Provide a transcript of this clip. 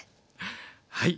はい。